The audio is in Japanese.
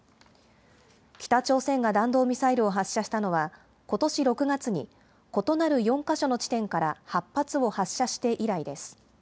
北朝鮮が弾道ミサイルを発射したのは、ことし６月に異なる４か所の地点から８発を発射して以来です。